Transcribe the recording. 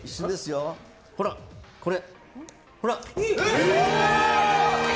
ほら、これ。